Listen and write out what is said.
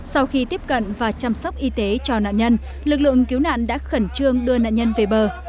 sau khi tiếp cận và chăm sóc y tế cho nạn nhân lực lượng cứu nạn đã khẩn trương đưa nạn nhân về bờ